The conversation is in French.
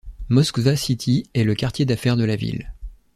Moskva City est le quartier d'affaires de la ville.